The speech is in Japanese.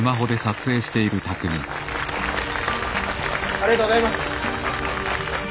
ありがとうございます。